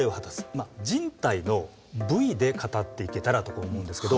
まあ人体の部位で語っていけたらと思うんですけど。